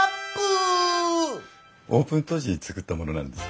オープン当時に作ったものなんです。